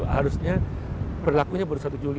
harusnya berlakunya baru satu juli